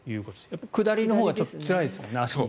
やっぱり下りのほうがつらいですもんね。